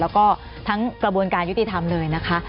แล้วก็ทั้งกระบวนการยุติธรรมเลยนะคะ